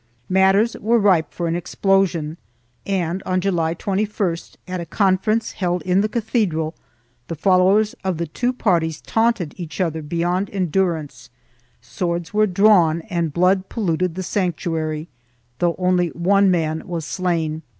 Matters were ripe for an explosion and, on July 21st, at a conference held in the cathedral, the followers of the two parties taunted each other beyond endurance; swords were drawn and blood polluted the sanctuary, though only one man was slain.